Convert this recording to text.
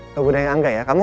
ke gudangnya angga ya